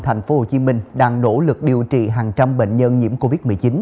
thành phố hồ chí minh đang nỗ lực điều trị hàng trăm bệnh nhân nhiễm covid một mươi chín